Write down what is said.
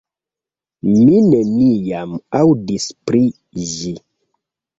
Mi neniam aŭdis pri ĝi!